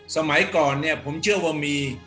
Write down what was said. สมัยก่อนเนี่ยผมเชื่อว่ามี